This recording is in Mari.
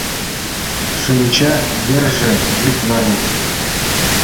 Шинча йырже вӱд нале.